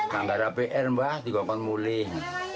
karena pr juga kan mulih